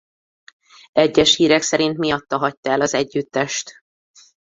Egyes hírek szerint miatta hagyta el az együttest.